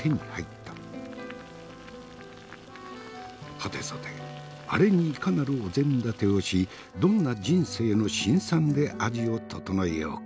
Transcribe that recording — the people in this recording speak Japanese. はてさてアレにいかなるお膳立てをしどんな人生の辛酸で味を調えようか。